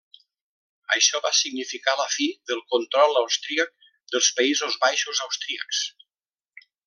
Això va significar la fi del control austríac dels Països Baixos austríacs.